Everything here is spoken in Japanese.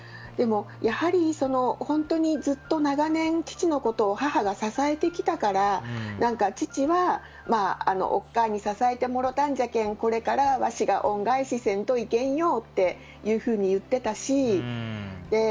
でも、やはり本当にずっと長年父のことを母が支えてきたから父は、おっかあに支えてもろたんじゃけこれからはわしが恩返しせんといけんよっていうふうに言っていたし。